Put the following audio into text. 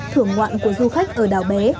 thưởng ngoạn của du khách ở đảo bé